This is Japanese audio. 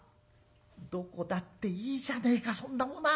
「どこだっていいじゃねえかそんなものは。